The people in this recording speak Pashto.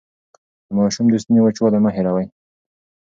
د ماشوم د ستوني وچوالی مه هېروئ.